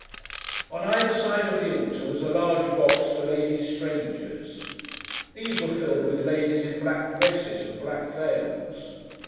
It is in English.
On either side of the altar, was a large box for lady strangers. These were filled with ladies in black dresses and black veils.